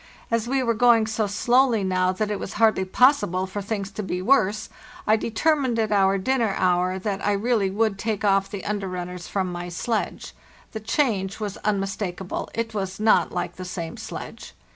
As we were going so slowly now that it was hardly possible for things to be worse, I determined at our dinner hour that I really would take off the under runners from my sledge. The change was unmistakable; it was not like the same sledge.